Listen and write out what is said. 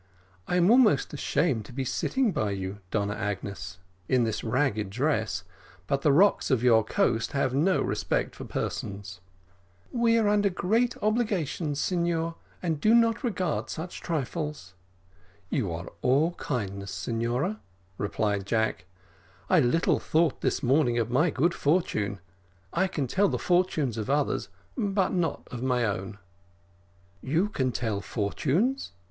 "I am almost ashamed to be sitting by you, Donna Agnes, in this ragged dress but the rocks of your coast have no respect for persons." "We are under great obligations, signor, and do not regard such trifles." "You are all kindness, signora," replied Jack; "I little thought this morning of my good fortune I can tell the fortunes of others, but not of my own." "You can tell fortunes!"